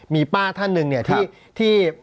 มีป้าท่านหนึ่งเนี่ยที่